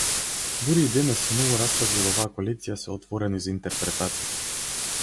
Дури и денес, многу раскази од оваа колекција се отворени за интерпретација.